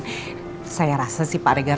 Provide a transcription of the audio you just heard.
saya rasa sih pak regar kalau nangis dia akan nangis